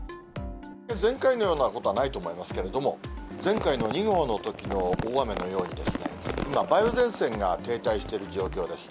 前回のようなことはないと思いますけれども、前回の２号のときの大雨のように、今、梅雨前線が停滞している状況です。